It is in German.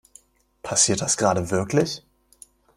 Passiert das gerade wirklich?